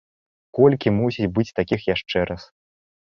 Колькі мусіць быць такіх яшчэ раз?